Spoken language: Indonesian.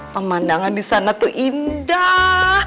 pemandangan disana tuh indah